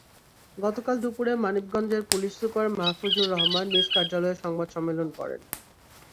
গতকাল দুপুরে মানিকগঞ্জের পুলিশ সুপার মাহফুজুর রহমান নিজ কার্যালয়ে সংবাদ সম্মেলন করেন।